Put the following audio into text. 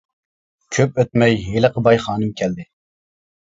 كۆپ ئۆتمەي ھېلىقى باي خانىم كەلدى.